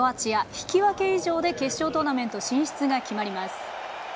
引き分け以上で決勝トーナメント進出が決まります。